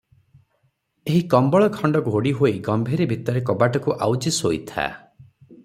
ଏହି କମ୍ବଳ ଖଣ୍ଡ ଘୋଡ଼ି ହୋଇ ଗମ୍ଭୀରି ଭିତରେ କବାଟକୁ ଆଉଜି ଶୋଇ ଥା ।